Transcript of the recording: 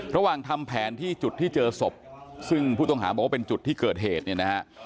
ทำแผนที่จุดที่เจอศพซึ่งผู้ต้องหาบอกว่าเป็นจุดที่เกิดเหตุเนี่ยนะฮะ